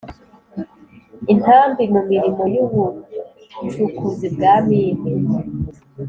intambi mu mirimo y ubucukuzi bwa mine